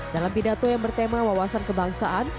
dalam pidato yang bertema wawasan kebangsaan